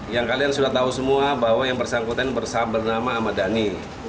yang kalian sudah tahu semua bahwa yang bersangkutan bernama ahmad dhani